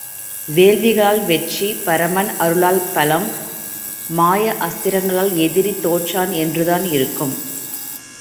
வேள்விகளால் வெற்றி, பரமன் அருளால் பலம், மாய அஸ்திரங்களால் எதிரி தோற்றான் என்றுதான் இருக்கும்.